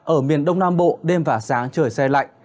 ở miền đông nam bộ đêm và sáng trời xe lạnh